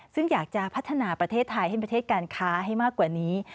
ซึ่งอยากจะพัฒนาประเทศไทยให้ประเทศการค้าให้มากกว่านี้